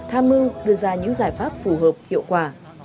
tham mưu đưa ra những giải pháp phù hợp hiệu quả